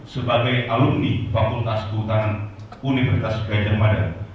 sebagai alumni fakultas buhutana universitas gajah madang